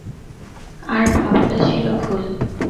আর ভাবাটা ছিল ভুল।